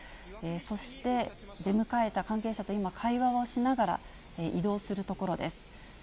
そして出迎えた関係者と今、会話をしながら移動するところです。